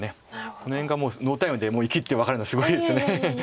この辺がもうノータイムで生きって分かるのはすごいです。